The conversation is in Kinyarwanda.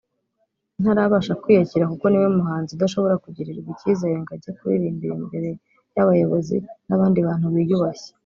ntarabasha kwiyakira kuko niwe muhanzi udashobora kugirirwa icyizere ngo ajye kuririmba imbere y’abayobozi n’abandi bantu biyubashye